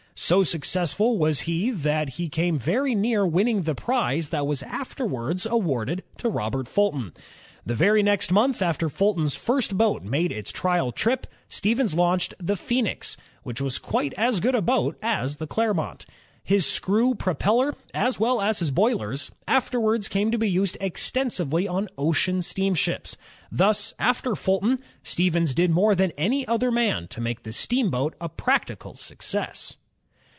So successful was he that he came very near winning the prize that was afterwards awarded to Robert Fulton. The very next month after Fulton's first boat made its trial trip, Stevens launched the Phoenix, which was quite as good a boat as the Cler mont. His screw propeller, as well as his boilers, after wards came to be used extensively on ocean steamships. Thus, after Fulton, Stevens did more than any other man to make the steamboat a practical success.